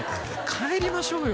「帰りましょうよ